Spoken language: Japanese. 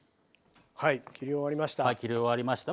はい切り終わりました。